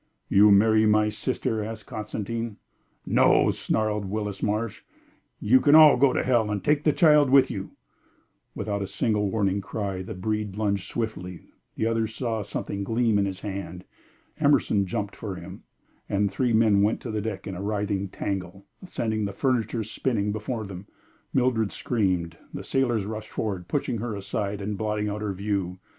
"You marry my sister?" asked Constantine. "No!" snarled Willis Marsh. "You can all go to hell and take the child with you " Without a single warning cry, the breed lunged swiftly; the others saw something gleam in his hand. Emerson jumped for him, and the three men went to the deck in a writhing tangle, sending the furniture spinning before them. Mildred screamed, the sailors rushed forward, pushing her aside and blotting out her view.